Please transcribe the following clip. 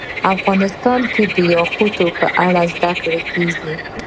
افغانستان کې د یاقوت په اړه زده کړه کېږي.